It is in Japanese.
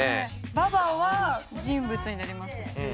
「ばば」は人物になりますし。